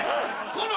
この。